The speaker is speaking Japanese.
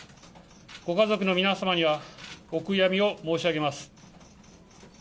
ご家族の皆様にはお悔やみを申し上げます。